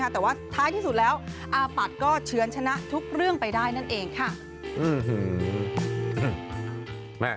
แต่ว่าท้ายที่สุดแล้วอาปัดก็เฉือนชนะทุกเรื่องไปได้นั่นเองค่ะ